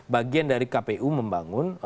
bagian dari kpu membangun